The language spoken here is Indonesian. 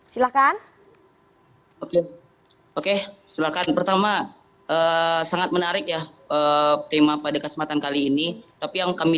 silakan oke oke silakan pertama sangat menarik ya tema pada kesempatan kali ini tapi yang kami